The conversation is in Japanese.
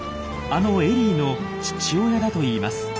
あのエリーの父親だといいます。